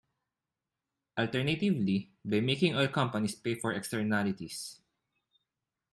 Alternatively, by making oil companies pay for externalities.